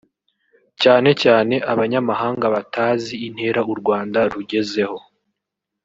cyane cyane abanyamahanga batazi intera u Rwanda rugezeho